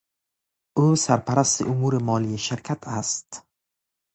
او سرپرست امور مالی شرکت است.